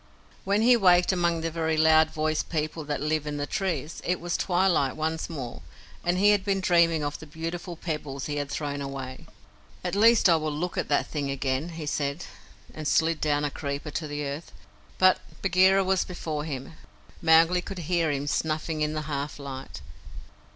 When he waked among the very loud voiced peoples that live in the trees, it was twilight once more, and he had been dreaming of the beautiful pebbles he had thrown away. "At least I will look at the thing again," he said, and slid down a creeper to the earth; but Bagheera was before him. Mowgli could hear him snuffing in the half light.